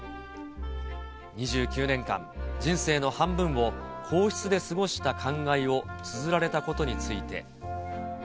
２９年間、人生の半分を皇室で過ごした感慨をつづられたことについて。